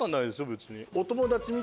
別に。